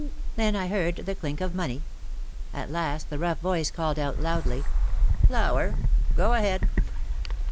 Then I heard the clink of money. At last the, rough voice called out loudly, "Flour? Go ahead."